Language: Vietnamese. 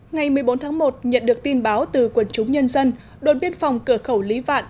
ngày một mươi bốn tháng một nhận được tin báo từ quần chúng nhân dân đồn biên phòng cửa khẩu lý vạn